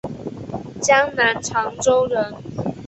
江南长洲人。